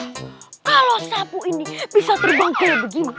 kalau sapu ini bisa terbang kayak begini